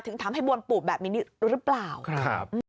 ถึงทำให้บวมปูดแบบนี้หรือเปล่า